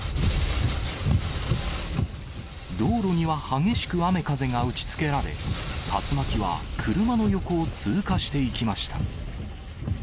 道路には激しく雨、風が打ちつけられ、竜巻は車の横を通過していきました。